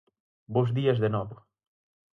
Bos días de novo.